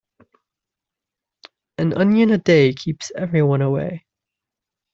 An onion a day keeps everyone away.